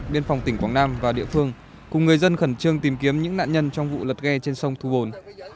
biên phòng tỉnh quảng nam và địa phương cùng người dân khẩn trương tìm kiếm những nạn nhân trong vụ lật ghe trên sông thu bồn